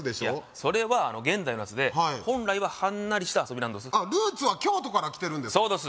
いやそれは現代のやつで本来ははんなりした遊びなんどすルーツは京都から来てるんですか